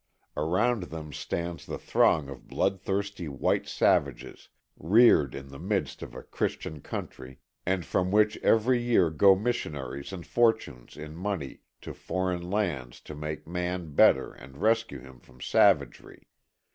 Around them stands the throng of bloodthirsty white savages, reared in the midst of a Christian country, and from which every year go missionaries and fortunes in money to foreign lands to make man better and rescue him from savagery.